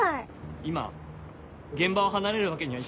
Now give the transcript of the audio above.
今現場を離れるわけには。